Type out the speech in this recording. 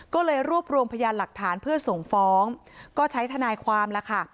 ก็เลยรวบรวมพยานหลักฐานเพื่อส่งฟ้องก็ใช้ทนายความแล้วค่ะ